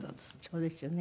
そうですよね。